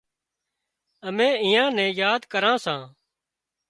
امين ايئان نين ياد ڪران سان